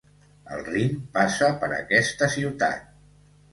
El Rin passa per aquesta ciutat.